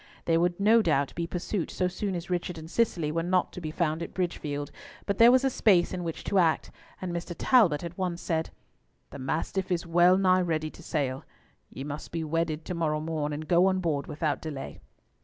There would no doubt be pursuit so soon as Richard and Cicely were found not to be at Bridgefield; but there was a space in which to act, and Mr. Talbot at once said, "The Mastiff is well nigh ready to sail. Ye must be wedded to morrow morn, and go on board without delay."